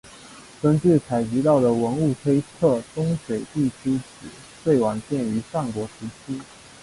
根据采集到的文物推测东水地城址最晚建于战国时期。